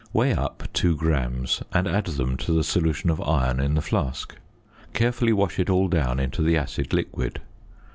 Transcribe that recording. Weigh up 2 grams and add them to the solution of iron in the flask; carefully wash it all down into the acid liquid.